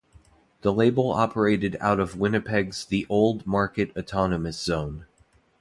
The label operated out of Winnipeg's The Old Market Autonomous Zone.